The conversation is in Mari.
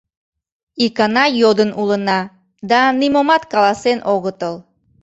Икана йодын улына, да нимомат каласен огытыл!..»